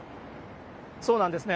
そうなんですね。